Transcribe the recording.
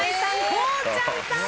こうちゃんさん正解。